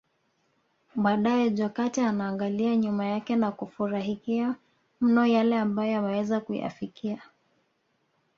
Baadae Jokate anaangalia nyuma yake na kufurahikia mno yale ambayo ameweza kuyafikia